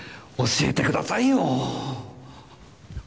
教えてくださいよ！